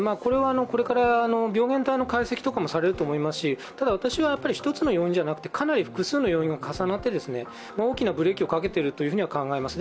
これから病原体の解析とかもされると思いますし私は一つの要因じゃなくて、かなり複数の要因が重なって大きなブレーキをかけていると考えます。